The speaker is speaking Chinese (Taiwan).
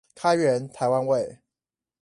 開源台灣味